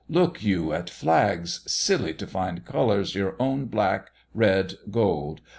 Look you at flags, Silly, to find colours your own black, red, gold?